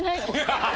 ハハハハ。